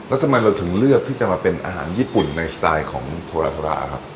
แล้วทำไมเราถึงเลือกที่จะมาเป็นอาหารญี่ปุ่นในสไตล์ของถั่วราภาระครับ